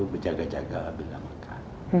berjaga jaga bila makan